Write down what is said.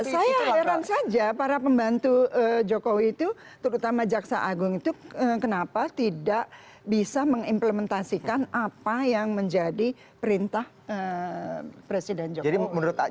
saya heran saja para pembantu jokowi itu terutama jaksa agung itu kenapa tidak bisa mengimplementasikan apa yang menjadi perintah presiden jokowi